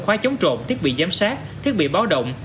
khóa chống trộm thiết bị giám sát thiết bị báo động